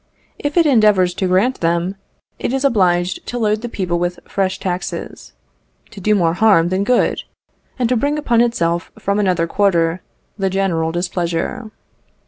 If it endeavours to grant them, it is obliged to load the people with fresh taxes to do more harm than good, and to bring upon itself from another quarter the general displeasure.